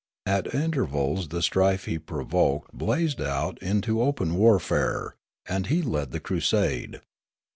At intervals the strife he provoked blazed out into open warfare ; and he led the crusade.